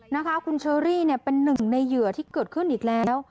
นะคะคุณเชอรี่เนี่ยเป็นหนึ่งในเหยื่อที่เกิดขึ้นอีกแล้ว